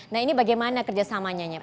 nah ini bagaimana kerjasamanya